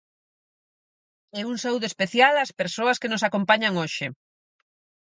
E un saúdo especial ás persoas que nos acompañan hoxe.